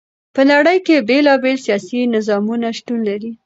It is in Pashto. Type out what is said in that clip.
په نړی کی بیلا بیل سیاسی نظامونه شتون لری.